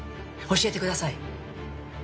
教えてください。